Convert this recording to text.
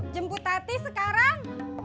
jemput hati sekarang